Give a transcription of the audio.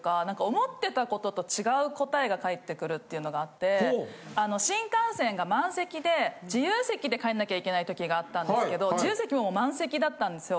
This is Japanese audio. が返ってくるっていうのがあって新幹線が満席で自由席で帰らなきゃいけないときがあったんですけど自由席も満席だったんですよ。